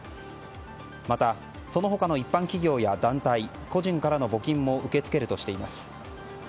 また、その他の一般企業や団体、個人からの募金も受け付けるとしています。